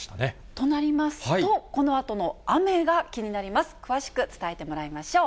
となりますと、このあとの雨が気になります、詳しく伝えてもらいましょう。